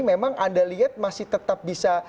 memang anda lihat masih tetap bisa